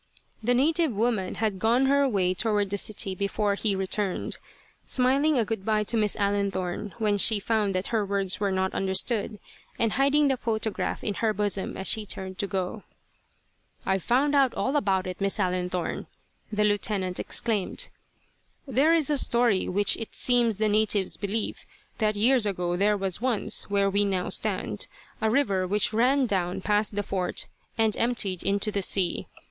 The native woman had gone her way toward the city before he returned, smiling a good bye to Miss Allenthorne when she found that her words were not understood, and hiding the photograph in her bosom as she turned to go. "I've found out all about it, Miss Allenthorne," the Lieutenant exclaimed. "There is a story which it seems the natives believe, that years ago there was once, where we now stand, a river which ran down past the fort and emptied into the sea.